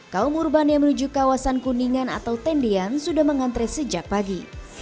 kaum urban yang menuju kawasan kuningan atau tendian sudah mengantre sejak pagi